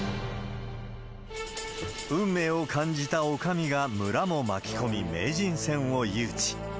運命を感じたおかみが村も巻き込み、名人戦を誘致。